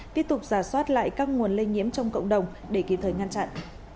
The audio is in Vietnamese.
tiếp tục giả soát lại các nguồn lây nhiễm trong cộng đồng để kịp thời ngăn chặn